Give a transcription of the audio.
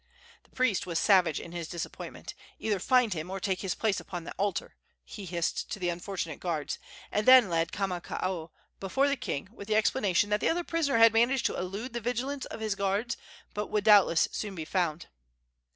The priest was savage in his disappointment. "Either find him or take his place upon the altar!" he hissed to the unfortunate guards, and then led Kamakaua before the king, with the explanation that the other prisoner had managed to elude the vigilance of his guards, but would doubtless soon be found.